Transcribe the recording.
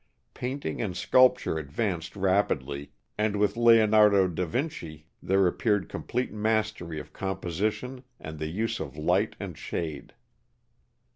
Painting and sculpture advanced rapidly, and with Leonardo da Vinci there appeared complete mastery of composition and the use of light and shade.